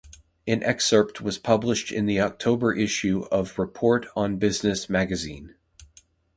An excerpt was published in the October issue of "Report on Business Magazine".